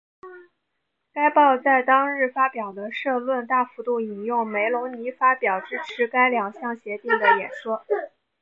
该报在当日发表的社论大幅度引用梅隆尼发表支持该两项协定的演说。